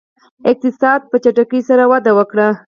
اقتصاد په چټکۍ سره وده وکړه.